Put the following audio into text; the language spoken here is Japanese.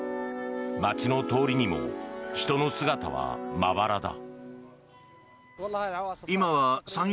街の通りにも人の姿はまばらだ。